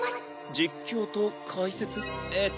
実況と解説？えっと